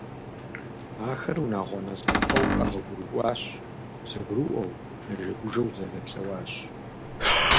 Ахэр унагъуэ насыпыфӏэу къэгъуэгурыкӏуащ, зэгурыӏуэу, нэжэгужэу зэдэпсэуащ.